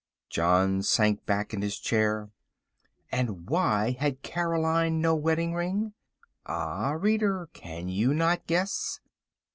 '" John sank back in his chair. And why had Caroline no wedding ring? Ah, reader, can you not guess.